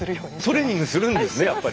トレーニングするんですねやっぱり。